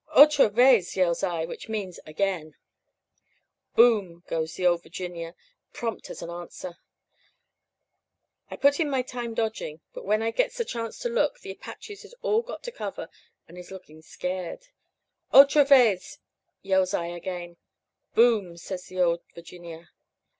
"'Otra vez!' yells I, which means 'again.' "'Boom!' goes the Ole Virginia prompt as an answer. "I put in my time dodging, but when I gets a chance to look, the Apaches has all got to cover and is looking scared. "'Otra vez!' yells I again. "'Boom!' says the Ole Virginia.